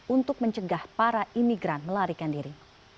untuk mencegah para imigran melarikan diri